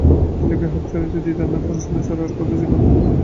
ছেলেকে হাঁপ ছাড়িতে দিতেন না, পড়াশুনা ছাড়া আর কথা ছিল না।